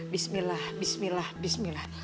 bismillah bismillah bismillah